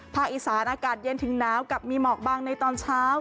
อีสานอากาศเย็นถึงหนาวกับมีหมอกบางในตอนเช้า